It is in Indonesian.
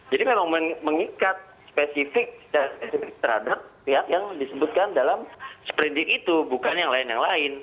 jadi memang mengikat spesifik terhadap yang disebutkan dalam seperindik itu bukan yang lain lain